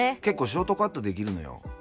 結構ショートカットできるのよ。